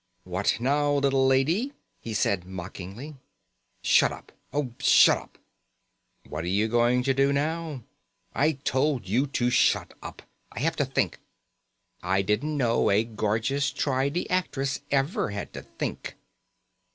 "What now, little lady?" he said mockingly. "Shut up. Oh, shut up!" "What are you going to do now?" "I told you to shut up. I have to think." "I didn't know a gorgeous tri di actress ever had to think."